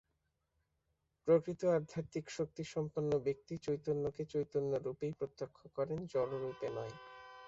প্রকৃত আধ্যাত্মিক-শক্তিসম্পন্ন ব্যক্তি চৈতন্যকে চৈতন্যরূপেই প্রত্যক্ষ করেন, জড়রূপে নয়।